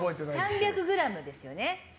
３００ｇですよね。